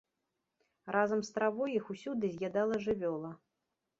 Разам з травой іх усюды з'ядала жывёла.